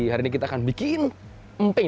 hari ini kita akan bikin emping